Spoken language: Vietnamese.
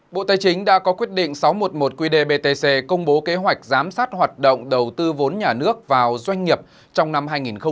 bộ tài chính đã có quyết định sáu trăm một mươi một qdbtc công bố kế hoạch giám sát hoạt động đầu tư vốn nhà nước vào doanh nghiệp trong năm hai nghìn hai mươi